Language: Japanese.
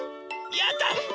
やった！